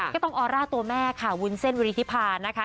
ก็ต้องออร่าตัวแม่ค่ะวุ้นเส้นวิริธิพานะคะ